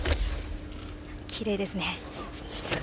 きれいですね。